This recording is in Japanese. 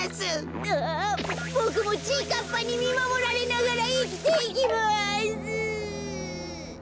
ああボクもちぃかっぱにみまもられながらいきていきます。